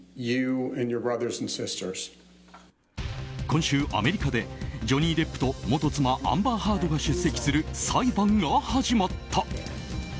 今週アメリカでジョニー・デップと元妻アンバー・ハードが出席する裁判が始まった。